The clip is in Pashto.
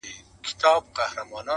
سیاه پوسي ده، برباد دی.